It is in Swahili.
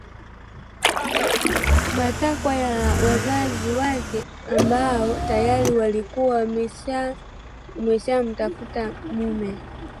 matakwa ya wazazi wake ambao tayari walikuwa washamtafutia mume